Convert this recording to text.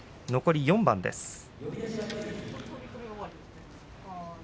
残り４番です。